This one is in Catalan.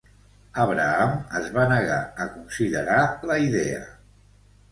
Abraham es va negar a considerar la idea.